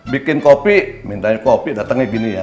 bikin kopi mintanya kopi datangnya gini ya